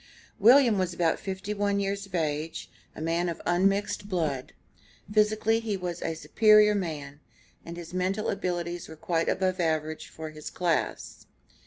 William was about fifty one years of age, a man of unmixed blood. Physically he was a superior man, and his mental abilities were quite above the average of his class.